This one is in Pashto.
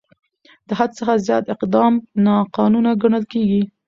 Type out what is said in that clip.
د حد څخه زیات اقدام ناقانونه ګڼل کېږي.